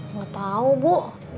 gak tau bu